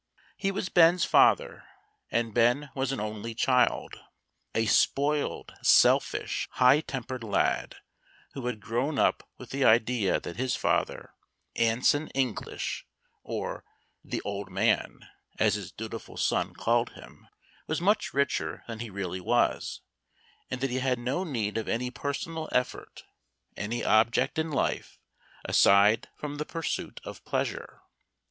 He was Ben's father, and Ben was an only child a spoiled, selfish, high tempered lad, who had grown up with the idea that his father, Anson English, or the "old man," as his dutiful son called him, was much richer than he really was, and that he had no need of any personal effort any object in life, aside from the pursuit of pleasure.